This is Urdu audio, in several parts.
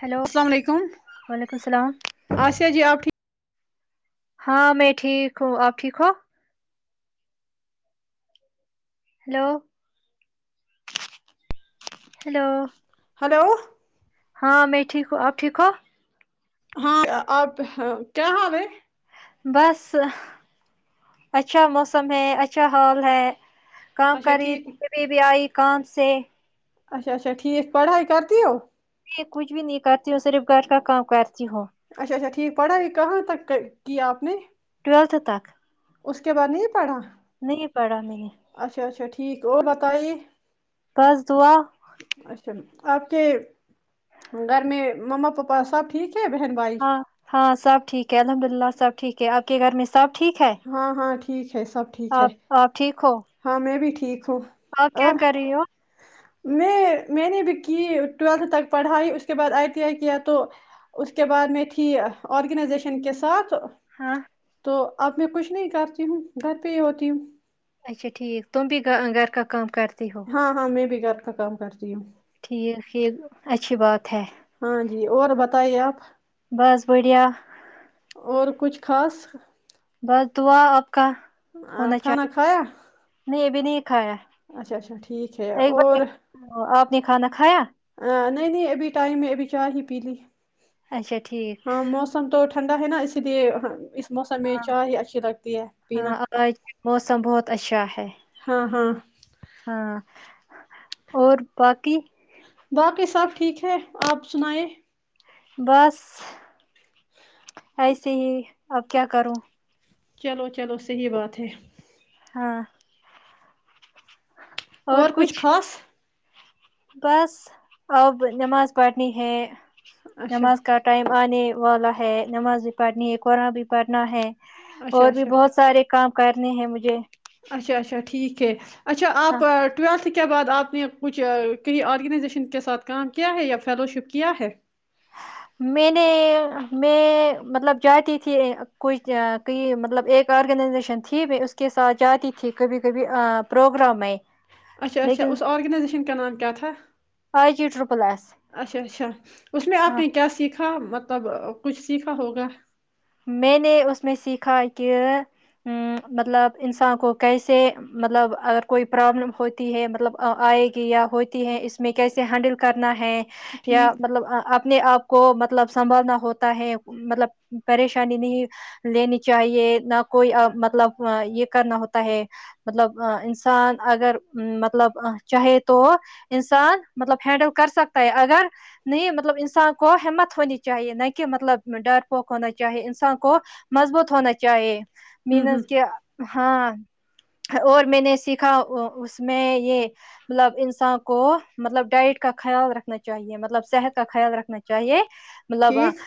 ہیلو السلام علیکم وعلیکم السلام آسیہ جی آپ ٹھیک ہاں میں ٹھیک ہوں آپ ٹھیک ہو ہلو ہلو ہلو ہاں میں ٹھیک ہوں آپ ٹھیک ہو ہاں آپ کیا ح ب ہے بس اچھا موسم ہے اچھا ہال ہے کام اچھا کری ک ٹھیک بھی بھی آئی کان سے اچھا اچا ٹھیک پڑھائی کرتی ہو کچھ بھی نہیں کرتی ہوں صرف گھر کا کام کرتی جی ہوو اچھا اچھا ٹھیک پڑھاائی کہاں تک کیا آپ نے قت تک اس کے بعد نہیں پڑھا نہیں پڑا میں نے اچھا اچھا ٹھیک اور بتائی بس دعا آپ کے گھر میں ما پپا سب ٹھیک ہے بہن بھائی ہاں ہاں سب ٹھیک ہے الحمد للہ سب ٹھیک ہے آپ کے گھر میں سب ٹھیک ہے ہاں ہاں ٹھیک ہے سب ٹھیک ہے آپ آپ ٹھیک ہو ہاں میں بھی ٹھیک ہوں ہ کیا اور کر رہی ہو میں میں نے بھی کی ٹویلتھ تک پڑھائی اس کے بعد آئی ٹی آئی کیا تو اس کے بعد میں تھی آرگنائزیشن کے ساتھ ہاں تو اب میں کچھ نہیں کرتی ہوں گھر پہ ہی ہوتی ہوں اچا ٹھیک تم بھی گھر کام کرتے ہاں ہاں میں بھی کر رہ کا کام کرتی ہوں ٹھیک یہ اچھی بات ہے ہاں جی اور بتائی آپ بس بڑھیا اور کچھ خاص بد دعا کا آ، ہونا کھانا چاہیے کھایا نہیں یہ بھی نہیں کھایا اچھا اچھا ٹھیک ہے ایک بار اور ایک نے کھانا کھایا نہیں نہیں ابھی ٹائم میں ابھی چار ہی پی لی اچھا ٹھیک ہاں موسم تو ٹھنڈا ہے نا اسی لیے اس موسم میں چائے ہی اچھی لگتی ہے پینا [inaudible] موسم بہت اچھا ہے ہاں ہاں [inaudible] اور باقی [inaudible] ٹھیک اپ سنائیں [inaudible] بس [inaudible] ایسے ہی اپ کیا [inaudible] چلو چلو صحیح بات ہے ہاں [inaudible] [inaudible] اور کچھ خاص [inaudible] بس اب نماز پڑھتے ہیں اچھا نماز ٹائم ہے [inaudible] والا ہے پڑھنی ہے اور قران بھی پڑھنا ہے [inaudible] اچھا اور اچھا بہت سارے [unintelligible] [inaudible] اچھا ٹھیک ہے [inaudible] اچھا ہاں اپ اس کے بعد آپ نے کچھ کہیں آرگنائزیشن کے ساتھ کام کیا ہے یا فیلو شپ کیا ہے میں نے میں مطلب جاتی تھی کچھ کہئی مطلب ایک آرگنائزیشن تھی میں اس کے ساتھ جاتی تھی کبھی کبھی پروگرام میں اچھا اچھا لیکن اس آرگنائزیشن کا نام کیا تھا آئی جی ٹرپل ایس اچھا اچھا اس میں آپ ہاں نے کیا سیکھا سھا مطلب کچھ سیکھا ہوگا میں نے اس میں سیکھا کہ مطلب انسان کو کیسے مطلب اگر کوئی پرابلم ہوتی ہے مطلب آئے گی یا ہوتی ہے اس میں کیسے ہینڈل کرنا ہے یا ٹھیک مطلب اپنے آپ کو مطلب سنبھالنا ہوتا ہے مطلب پریشانی نہیں لینی چاہیے نہ کوئی مطلب یہ کرنا ہوتا ہے مطلب انسان اگر مطلب چاہے تو انسان مطلب ہینڈل کر سکتا ہے اگر نہیں مطلب انسان کو ہمت ہونی چاہیے نہ کہ مطلب ڈر پ ہونا چاہے انسان کو مضبوط ہونا چاہیے ہوں ہوں مینز کہ ہاں اور میں نے سیکھا اس میں یہ مطلب انسان کو مطلب ڈائٹ کا خیال رکھنا چاہیے مطلب صحت کا خیال رکھنا چاہیے مطلب ٹھیک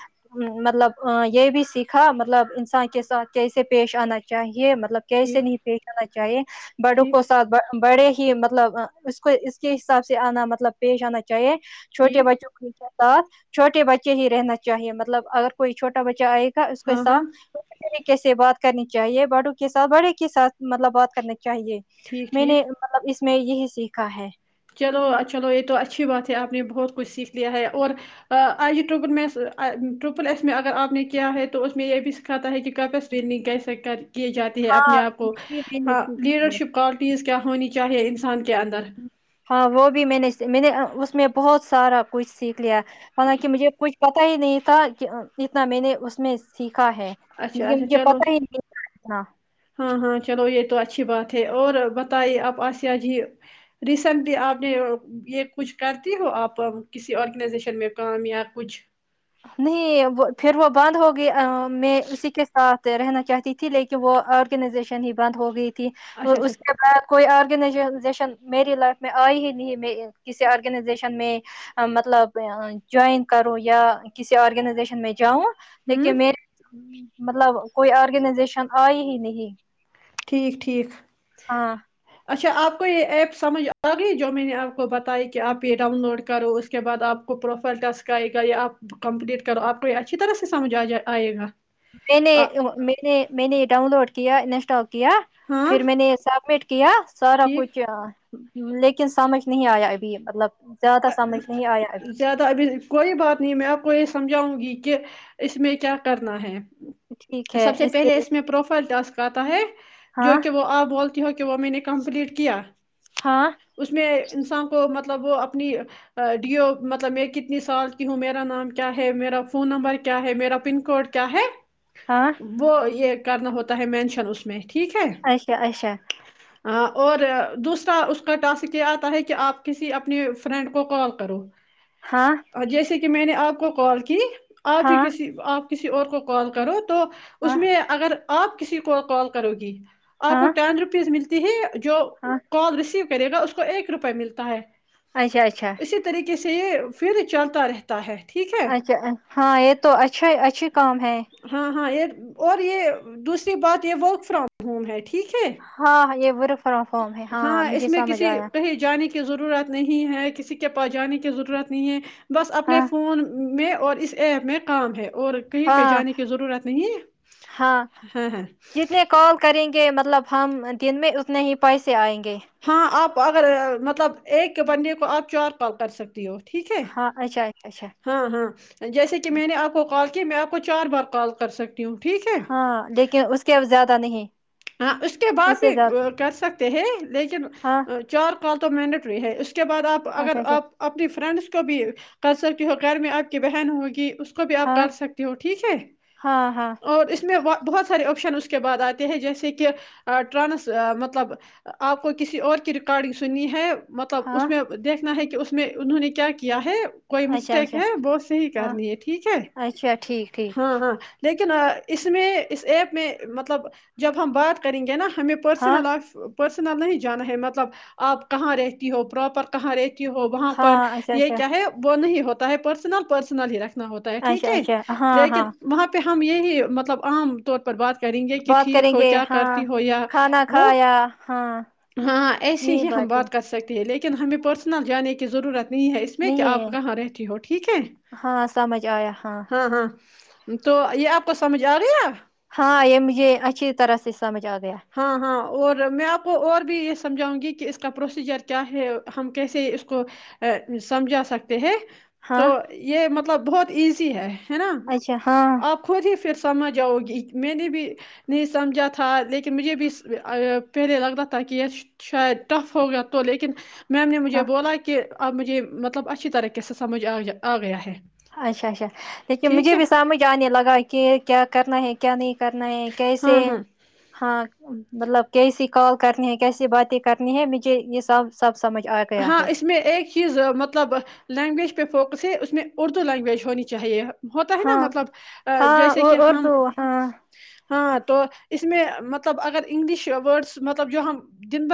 مطلب یہ بھی سیکھا مطلب انسان کے ساتھ کیسے پیش آنا چاہیے مطلب مطلب کیسے ٹھیک نہیں پیش آنا چاہیے بڑوں ٹھیک کووں ساتھ بڑے ہی کہ مطلب اس کو اس کے حساب سے آنا مطلب پیش آنا چاہیے چھوٹے ٹھیک بچوں کوچ [inaudible] ساتھ چھوٹے بچے ہی رہنا چاہیے مطلب اگر کوئی چھوٹا بچہ آیا اس کو کے ہاں ہاں ساتھ کیسے بات کرنی چاہیے بڑوں کے ساتھ بڑے کے ساتھ مطلب بات کر چاہیے ٹھیک میں ٹھیک نے مطلب اس اس میں یہ سیکھا ہے چلو چلو یہ تو اچھی بات ہے آپ نے بہت کچھ سیکھ لیا ہے اور آجے ٹرپن میں ٹرپل ایس میں اگر آپ نے کیا ہے تو اس میں یہ بھی سکھاتا ہے کہ ک پسلن کیسے کر کیے جاتے ہیں ہاں اپنے آپ کو بھی میں نے ہاں سیکھی ہے لیڈرشپ کوالٹیز کیا ہونی چاہے انان کے اندر ہاں وہ بھی میں نے میں نے اس میں بہت سارا کچھ سیکھ لیا حالانکہ مجھے کچھ پتا ہی نہیں تھا کہ اتنا میں نے اس میں سیکھ کا ہے اچھا ل اچھا مجھے چلو پتا ہی نہیں تھا ہاں ہاں چلو یہ تو اچھی بات ہے اور بتائیے آپ آسیہ جی ریسینٹلی آپ نے یہ کچھ کرتی ہو آپ کسی آرگنائزیشن میں کام یا کچھ نہیں پھر وہ بند ہو گئی میں اسی کے ساتھ رہنا چاہتی تھی لیکن وہ آرگنائزیشن ہی بند ہو گئی تھی تھی اچھا اچھا اس کے بعد کوئی آرگنائجزیشن میری لائف میں آئی ہی نہیں میں کسی آرگنائزیشن میں مطلب جوائن کروں یا کسی آرگنائزیشن میں جاؤں لیک ہوں میں مطلب کوئی آرگنائزیشن آئی ہی نہیں ٹھیک ٹھیک ہاں اچھا آپ کو یہ ایپ سمجھ آ گئی جو میں نے آپ کو بتائی کہ آپ یہ ڈاؤن لوڈ کرو اس کے بعد آپ کو پروفائل ٹسک آئے گا یا آپ کمپلیٹ کرو آپ کو یہ اچھی طرح سے سمجھ آ جائے آئے گا میں نے آ- میں نے میں نے یہ ڈاؤن لوڈ کیا اسٹاک کیا ہاں پھر میں نے یہ سب مٹ کیا سارا ٹھیک کچھ لیکن سمجھ نہیں آیا ابھی مطلب زیادہ سمجھ نہیں آیا ابھی زیادہ ابھی کوئی بات نہیں میں آپ کو سمجھاؤں گی کہ اس میں کیا کرنا ہے ٹھیک ہے سب سے پہلے لیے اس میں پروفائل ٹاس کر کات ہے جو ہاں کہ وہ آپ بولتے وہ میں نے کمپلیٹ کیا ہاں اس میں انسان کو مطلب وہ اپنی ڈیو مطلب میں کتنی سال کی ہوں میرا نام کیا ہے میرا فون نمبر کیا ہے میرا پن کوڈ کیا ہے ہاں وہ یہ کرنا ہواتہ مینشن اس م ات ٹھیک ہے اچھا اچھا اور دوسرا اس کا ٹاسک یہ آتا ہے کہ آپ کسی اپنے [inaudible] [inaudible] ہاں میں نے اپ کو کال کی اپ ہی ہاں کی سے یور کو کال کروں تو اس ہاں میں اگر اپ کسی کو کال کرو گی اپ کو ہاں ڈین ریپیز ملتے ہیں [inaudible] [inaudible] جو ہاں ریسیو کرے گا اس کو ایک روپے ملے گا [inaudible] [inaudible] [inaudible] [inaudible] [inaudible] [inaudible] ہے ہاں مجھے سمجھ آیا [inaudible] [unintelligible] ہاں [inaudible] ہاں [inaudible] ہاں جتنے کال کریں [inaudible] [inaudible] [inaudible] [inaudible] ہاں اچھا اچھا اچھا [inaudible] [inaudible] [inaudible] ہے [inaudible] [inaudible] [inaudible] [inaudible] کال اس سے زیادہ ہاں تو مینڈٹری ہے اس کے بعد آپ اگر اچھا اچھا آپ اپنی فرینڈس کو کو بھی کر سکتی ہو گھر میں آپ کی بہن ہوگی اس کو بھی آپ ہاں کر سکتے ہو ٹھیک ہے ہاں ہاں اور اس میں وا بہت سے آپشن اس کے بع آتے ہیں جیسے کہ ٹرانس مطلب آپ کو کسی اور کی ریکارڈنگ سنی ہے مطلب اس ہاں میں دیکھنا ہے کہ اس میں انہوں نے کیا کیا ہے کوئی اچھا مسٹیک اچھا ہے وہ صحی ہاں کرنی ہے ٹھیک ہے اچھا ٹھیک ٹھیک ہاں ہاں لیکن اس میں اس ایپ میں مطلب جب ہم بات کریں گے نا ہمیں ہاں پررسنل لائف پرسنل نہیں جانا ہے مطلب آپ کہاں رہتی ہو پراپر کہاں رہتی ہو وہاں ہاں پر اچھا یہ اچھا کیا ہے وہ نہیں ہوتا ہے پرسنل پرسنل ہی رکھ ہوتا ہے ٹھیک اچھا ہے اچھا ہاں لیکن ہاں وہاں پہ ہم یہی مطلب عام طور پر بات کر کریں گے کہ بات ٹھیک کریں ہو گے کیا ہاں کرتی ہو یا کھانا وہ کھایا ہاں ہاں ایسی یہی ہی ہم باتیں بات کر سکتے ہیں لیکن ہمیں پرسنل جانے کی ضرورت ہے نہیں ہے اس میں کہ آپ کہاں رہتی ہو ٹھیک ہے ہاں سمجھ آیا ہاں ہاں تو یہ آپ کو سمجھ آ رہی ہے ہاں یہ مجے اچھی طرح سے سمجھ آ گیا ہاں ہاں اور میں آپ کو اور بھی یہ سمجھاؤں گی کہ اس کا پروسیجر کیا ہے ہم کیسے اس کو سمجھا سکتے ہیں ہاں تو یہ مطلب مطلب بہت ایزی ہے ہے نا اچھا ہاں آپ کھوجے پھر سے سمجھ آؤ گی میں نے بھی نہیں سمجھا تھا لیکن ن مجھے بھی پہلے لگتا تھا کہ یہ شاید ٹف ہو گیا تو لیکن میم نے مجھے ہاں بولا کہ اب مجھے مطلب اچھی طریقے سے سمجھ آا آ گیا ہے اچھا اچھا لیکے ٹھیک مجھے ہے بھی سمجھ آنے لگا کہ کیا کرنا ہے کیا نہیں کرنا ہے کیسے ہاں ہاں ہاں مطلب کیسی کال کرنی ہے کیسی باتیں کرنی ہے مجھے یہ سب سب سمجھ آ گیا ہاں ہے اس میں ایک چیز مطلب لینگویج پہ فوکس ہے اس میں اردو لینگویج ہونی چاہیے ہوتا ہے نا ہاں مطلب ہاں جیسے کہ ہم اردو ہاں تو اس میں مطلب اگر انگلش اوورز مطلب جو ہم دن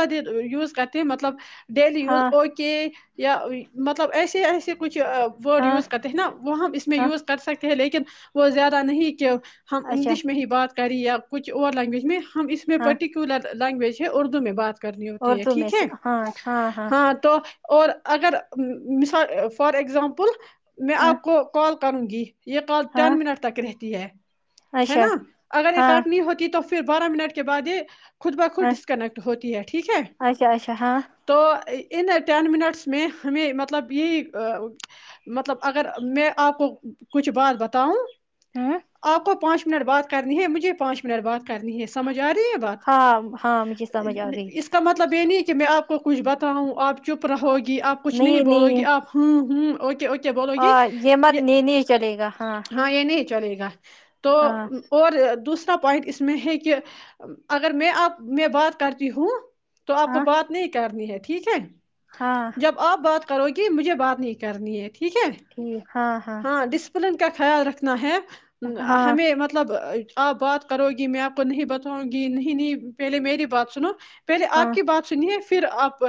یوز کرتے ہیں مطلب ڈیلی یوز ہاں اوکے یا مطلب ایسے ایسے کچھ ورڈ ہاں یوز کرتے ہیں نا وہ ہم اس میں ہاں یوز کر سکتے ہیں لیکن وہ زیادہ نہیں کہ ہم اچھا انگلش میں ہی بات کر کری یا کچھ اور لینگویج میں ہم اس میں پ پرٹیکولر لینگویج ہے اردو میں بات کرنی اور ہوتی ہے تو میں ٹھیک ہے ہاں ہاں ہاں اور اگر مثال فار اگزامپل میں ہاں آپ کو کال کرن گی یہ کال ہاں ٹن منٹ تک رہےت تی ہے ہے اچھا نا اگر ہاں اکاٹنی ہوتی تو پھر بارہ منٹ کے بعد یہ خود بخود ہاں ڈسکنیکٹ ہوتی ہے ٹھیک ہے اچھا اچھا ہاں تو ان ٹین منٹس میں ہمیں مطلب یہی مطلب اگر میں آپ کو کچھ بات بتاؤں ہوں آپ کو پانچ منٹ بات کرنی ہے مجھے پانچ منٹ بات کرنی ہے سمجھ جا رہی ہے بات ہاں ہاں مجھے سمجھ آ گئی اس کا مطلب یہ نہیں کہ آ میں آپ کچھ بتاؤوں آپ کیا چپ رہو گی آپ کچھ نہیں بولو گی آپ ہوں ہوں اوے اکے بولو گی ہاں یہ مت نہیں نہیں چلے گا ہاں یہ نہیں چلے گا تو ہاں اور دوسرے پوائنٹ اس میں ہے کہ اگر میں آپ میں بات کرتی ہوں تو آپ کو ہاں بہات کرنی ہے ٹھیک ہے ہاں جب آپ بات کرو گی مجھے بات نہیں کرنی ہے تھی ٹھیک ہے ہاں ڈسپ فلن کا خیال رکھنا ہے ا ہاں ہمیں مطلب آپ بات کرو گی میں آپ کو نہیں بتاؤں گی نہیں نہیں پہلے میری بات سنو پہلے ہاں آپ کی بات سنیے پھر آپ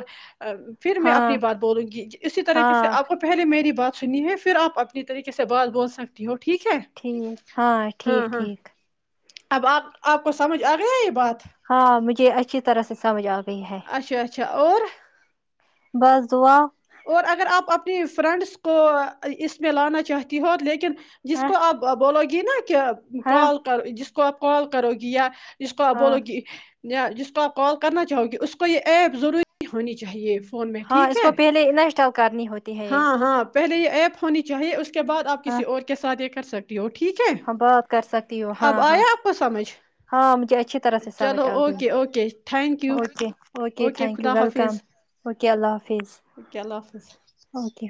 پھر میں اپنی ہاں بات بولوں گی اسی طریقے سے ہاں آپ کو پہلے میری بات سنی ہے پھر آپ اپنی طریقے سے بات بول سکتی ہو ٹھیک ہے ٹھیک ہاں ٹھیک ٹھیک اب آپ آپ کو سمجھ آ گیا یہ بات ہاں مجھے اچھی طرح سے سمجھ آ گئی ہے اچھا اچھا اور بس دعا اور اگر آپ اپنی فرینڈس کو اس میں لانا چاہتی ہو لیکن جس ہاں کو آپ بولو گے [inaudible] کہ ہاں کال کر ج کو آپ کال کرو گی یا اس کو بولو ہاں گی یا جس کو آپ کال کرنا چاہو گے اس کو یہ ایپ ضروری ہونی چاہیے فون میں ہاں ٹھیک اس ہے کو پہلے کرنی ہوتی ہے یہ ہاں ہاں پہلے یہ ایپ ہونی چاہیے اس کے بعد آپ ہاں کسی اور کے ساتھ یہ کسٹھ ہاں بات کر سکتی ہو ہاں اب ہاں آیا آپ کو سمجھ ہاں مجھے اچھی طرح سے چلو سمجھ آ گئی okay okay thank you okay okay thank you خدا ویلکم حافظ اوکے اللہ حافظ اوکے اللہ حافظ اوکے